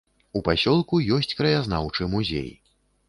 У пасёлку ёсць краязнаўчы музей.